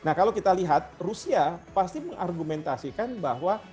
nah kalau kita lihat rusia pasti mengargumentasikan bahwa